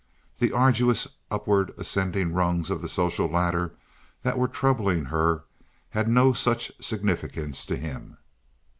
The arduous, upward ascending rungs of the social ladder that were troubling her had no such significance to him.